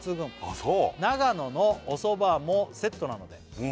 あっそう「長野のおそばもセットなので」